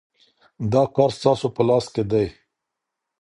دا کار ستاسو په لاس کي دی.